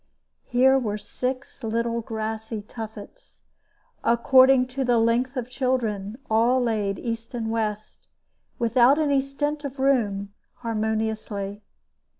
Here were six little grassy tuffets, according to the length of children, all laid east and west, without any stint of room, harmoniously.